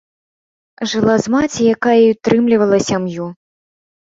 Жыла з маці, якая і ўтрымлівала сям'ю.